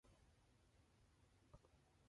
Then his track is lost.